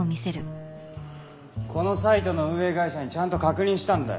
このサイトの運営会社にちゃんと確認したんだよ。